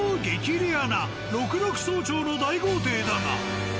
レアな六麓荘町の大豪邸だが。